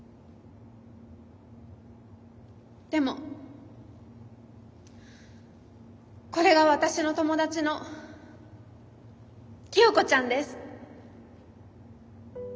でもこれが私の友達の清子ちゃんです。